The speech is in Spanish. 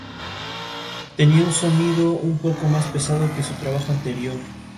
Tras un feroz combate, Michael mata a William y Selene a Marcus.